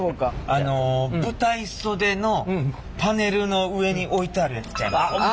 あの舞台袖のパネルの上に置いてあるやつちゃいますか。